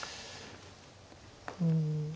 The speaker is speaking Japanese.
うん。